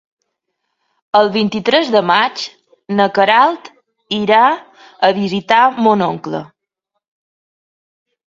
El vint-i-tres de maig na Queralt irà a visitar mon oncle.